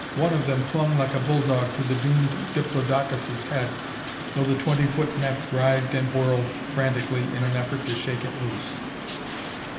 One of them clung like a bulldog to the doomed diplodocus' head, though the twenty foot neck writhed and whirled frantically in effort to shake it loose.